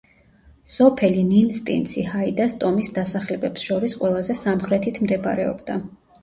სოფელი ნინსტინცი ჰაიდას ტომის დასახლებებს შორის ყველაზე სამხრეთით მდებარეობდა.